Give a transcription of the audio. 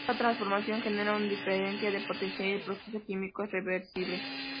Esta transformación genera una diferencia de potencial y el proceso químico es reversible.